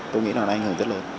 tôi nghĩ nó sẽ ảnh hưởng rất lớn